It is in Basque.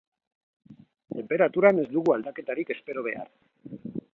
Tenperaturan ez dugu aldaketarik espero behar.